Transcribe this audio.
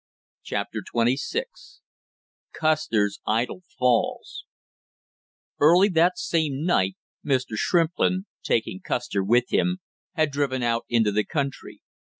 CHAPTER TWENTY SIX CUSTER'S IDOL FALLS Early that same night Mr. Shrimplin, taking Custer with him, had driven out into the country.